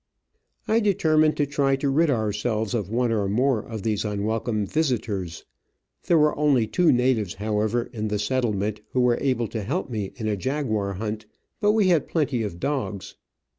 I determined to try to rid ourselves of one or more of these unwelcome visitors. There were only two natives, however, in the settlement who were able to help me in a jaguar hunt, but we had plenty of dogs.